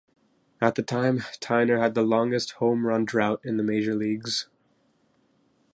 At the time, Tyner had the longest home run drought in the major leagues.